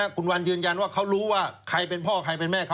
คุณวันยืนยันว่าเขารู้ว่าใครเป็นพ่อใครเป็นแม่เขา